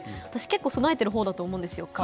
私、結構備えているほうだと思うんですよ。